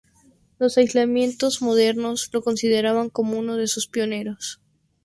Los islamistas modernos lo consideran como uno de sus pioneros.